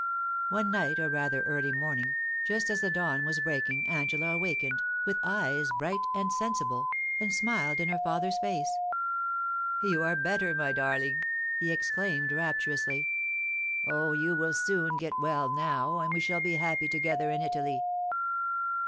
One night, or rather early morning, just as the dawn was breaking, Angela awakened, with eyes bright and sensible, and smiled in her father's face. * You are better, my darling !' he exclaimed rapturously. * Oh, you will soon get well now, and we shall be happy together in Italy